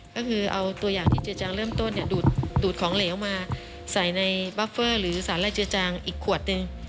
ก็คือเอาตัวอย่างที่เจือจางเริ่มต้นดูดของเหลวมาใส่ในบัฟเฟอร์หรือสารไล่เจือจางอีกขวดหนึ่ง